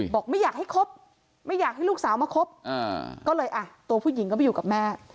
ไม่อยากให้คบไม่อยากให้ลูกสาวมาคบก็เลยอ่ะตัวผู้หญิงก็ไปอยู่กับแม่